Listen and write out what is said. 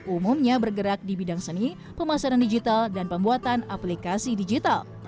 umumnya bergerak di bidang seni pemasaran digital dan pembuatan aplikasi digital